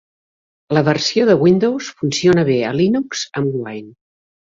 La versió de Windows funciona bé a Linux amb Wine.